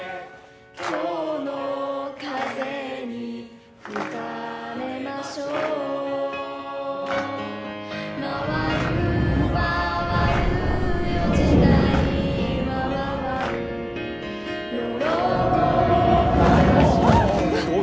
「今日の風に吹かれましょう」「まわるまわるよ時代はまわる」「喜び」あっ！